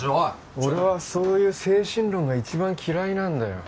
俺はそういう精神論が一番嫌いなんだよ